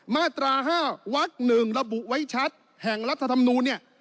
มาตรา๕วัก๑ระบุไว้ชัดแห่งรัฐธรรมนูลเนี่ย